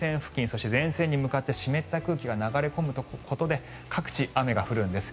そして前線に向かって湿った空気が流れ込むことで各地、雨が降るんです。